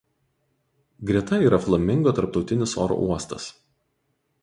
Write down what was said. Greta yra Flamingo tarptautinis oro uostas.